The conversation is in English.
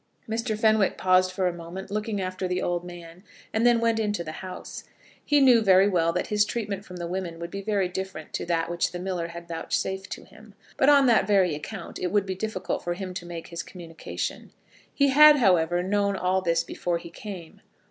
Mr. Fenwick paused for a minute, looking after the old man, and then went into the house. He knew very well that his treatment from the women would be very different to that which the miller had vouchsafed to him; but on that very account it would be difficult for him to make his communication. He had, however, known all this before he came.